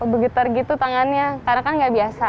getar gitu tangannya karena kan nggak biasa